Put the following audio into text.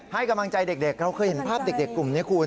ให้กำลังใจเด็กเราเคยเห็นภาพเด็กกลุ่มนี้คุณ